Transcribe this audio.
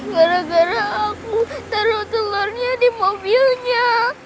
gara gara aku taruh telurnya di mobilnya